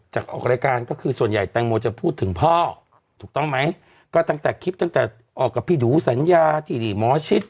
ออกรายการก็คือส่วนใหญ่แตงโมจะพูดถึงพ่อถูกต้องไหมก็ตั้งแต่คลิปตั้งแต่ออกกับพี่ดูสัญญาที่หมอชิด